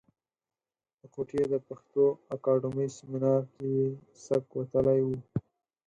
د کوټې د پښتو اکاډمۍ سیمنار کې یې سک وتلی و.